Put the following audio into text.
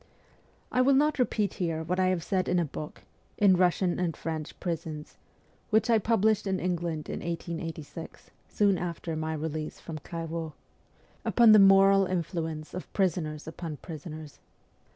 I will not repeat here what I have said in a book, ' In Russian and French Prisons,' which I published in England in 1886, soon after my release from Clairvaux, upon the moral influence of prisoners upon prisoners.